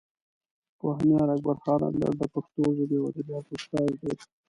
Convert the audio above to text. پوهنیار اکبر خان اندړ د پښتو ژبې او ادبیاتو استاد دی.